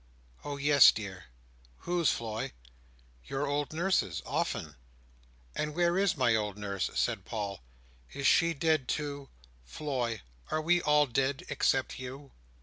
"Oh yes, dear!" "Whose, Floy?" "Your old nurse's. Often." "And where is my old nurse?" said Paul. "Is she dead too? Floy, are we all dead, except you?"